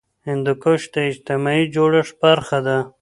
هندوکش د اجتماعي جوړښت برخه ده.